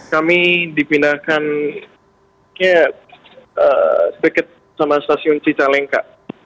kami dipindahkan kayak sedikit sama stasiun cicalengka